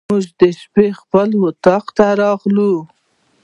موږ شپې خپل اطاق ته راغلو.